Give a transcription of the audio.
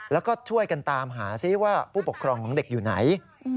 แล้วก็ช่วยกันตามหาซิว่าผู้ปกครองของเด็กอยู่ไหน